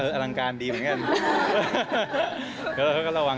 อลังการดีเหมือนกัน